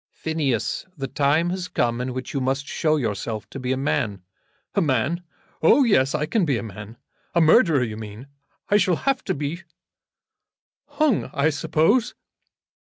"Phineas, the time has come in which you must show yourself to be a man." "A man! Oh, yes, I can be a man. A murderer you mean. I shall have to be hung, I suppose."